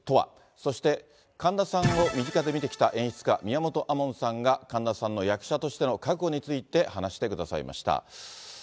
そして、神田さんを身近で見てきた演出家、宮本亜門さんが、神田さんの役者としての覚悟について話してくださいました。